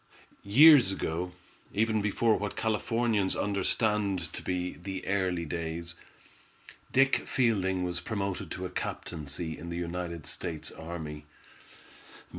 Years ago, even before what Californians understand to be the "early days," Dick Fielding was promoted to a captaincy in the United States Army.